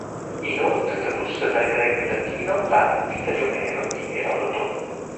Inoltre tradusse dal greco in latino la "Vita di Omero" di Erodoto.